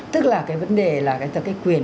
tức là cái vấn đề là cái quyền